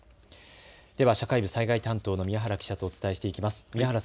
では社会部災害担当の宮原記者とお伝えしていきます。